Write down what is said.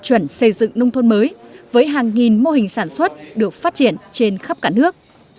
chuẩn xây dựng nông thôn mới với hàng nghìn mô hình sản xuất được phát triển trên khắp cả nước